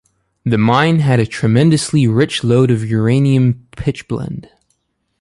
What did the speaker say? The mine had a tremendously rich lode of uranium pitchblende.